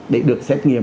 để được xét nghiệm